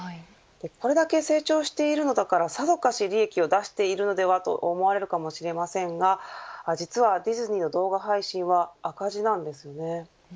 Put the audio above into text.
これだけ成長しているのだからさぞかし利益を出しているのではと思われるかもしれませんが実はディズニーの動画配信は赤字なんです。